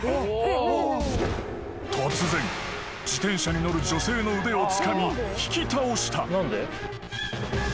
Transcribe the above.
［突然自転車に乗る女性の腕をつかみ引き倒した］